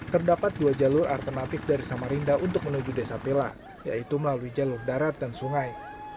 terdapat dua jalur alternatif dari samarinda untuk menuju desa pela yaitu melalui jalur darat dan sungai